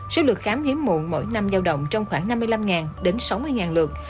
số lượt khám hiếm muộn mỗi năm giao động trong khoảng năm mươi năm đến sáu mươi lượt